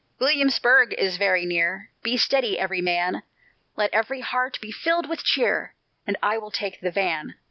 Williamsburg is very near, Be steady every man, Let every heart be filled with cheer, And I will take the van."